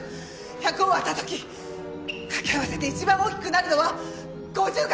１００を割った時掛け合わせて一番大きくなるのは５０掛ける５０！